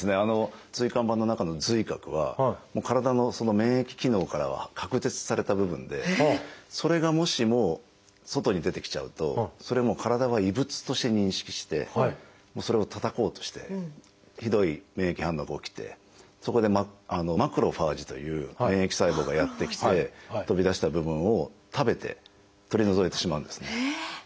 椎間板の中の髄核は体の免疫機能からは隔絶された部分でそれがもしも外に出てきちゃうとそれもう体が異物として認識してそれをたたこうとしてひどい免疫反応が起きてそこで「マクロファージ」という免疫細胞がやって来て飛び出した部分を食べて取り除いてしまうんですね。